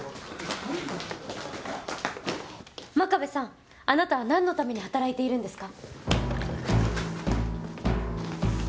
真壁さんあなたは何のために働いているんですか？